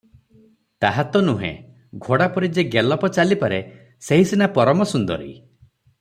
ତାହା ତ ନୁହେଁ, ଘୋଡ଼ାପରି ଯେ 'ଗେଲପ ଚାଲିପାରେ, ସେହି ସିନା ପରମ ସୁନ୍ଦରୀ!